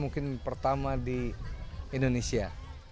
mungkin pertama di indonesia